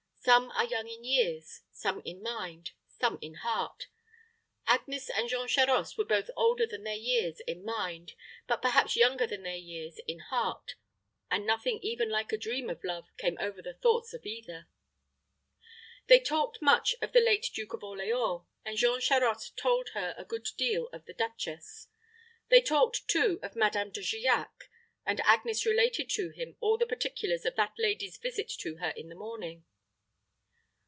Some are young in years some in mind some in heart. Agnes and Jean Charost were both older than their years in mind, but perhaps younger than their years in heart; and nothing even like a dream of love came over the thoughts of either. They talked much of the late Duke of Orleans, and Jean Charost told her a good deal of the duchess. They talked, too, of Madame De Giac; and Agnes related to him all the particulars of that lady's visit to her in the morning.